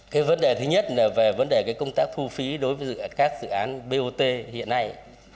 cái vấn đề thứ nhất là về vấn đề công tác thu phí đối với các dự án bot hiện nay